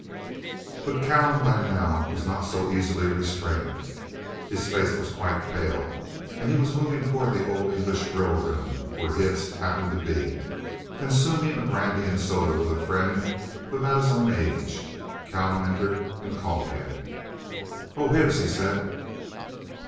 But Callum by now was not so easily restrained. His face was quite pale, and he was moving toward the old English grill room, where Hibbs happened to be, consuming a brandy and soda with a friend of about his own age. Callum entered and called him. "Oh, Hibbs!" he said.